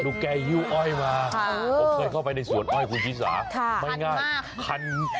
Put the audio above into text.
แกหิ้วอ้อยมาผมเคยเข้าไปในสวนอ้อยคุณชิสาไม่ง่ายคัน